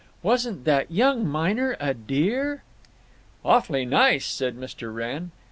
Wasn't that young miner a dear?" "Awfully nice," said Mr. Wrenn.